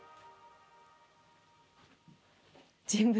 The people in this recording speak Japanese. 人物。